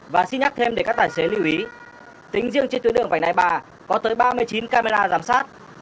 và xin nhắc thêm để các tài xế lưu ý tính riêng trên tuyến đường vành đai ba có tới ba mươi chín camera giám sát